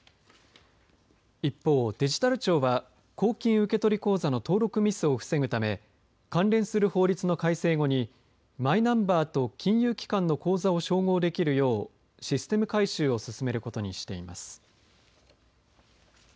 一方、デジタル庁は公金受取口座の登録ミスを防ぐため関連する法律の改正後にマイナンバーと金融機関の口座を照合できるようシステム改修を進めることにしています。